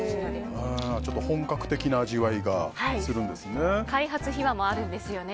ちょっと本格的な味わいがするんですね。